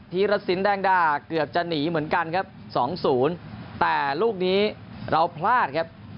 ธีรสินแดงดาเกือบจะหนีเหมือนกันครับ๒๐แต่ลูกนี้เราพลาดครับ